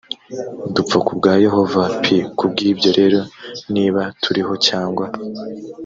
dupfa ku bwa yehova p ku bw ibyo rero niba turiho cyangwa